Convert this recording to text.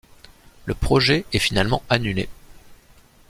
Le projet est finalement annulé.